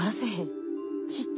ちっちゃ。